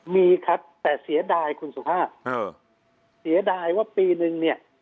มีครับแต่เสียดายคุณสุภาพเสียดายว่าปีนึงเนี่ย